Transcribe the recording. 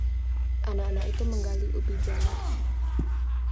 anak-anak itu menggali ubi jalar